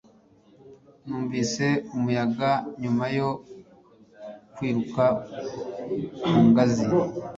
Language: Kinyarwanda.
Numvise umuyaga nyuma yo kwiruka ku ngazi.